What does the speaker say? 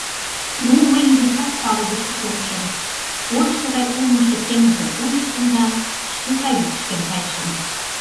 Ну, мый изишак палубышто шогышым, орышо гай урмыжшо теҥызым ончыштым да шке каютышкем кайышым.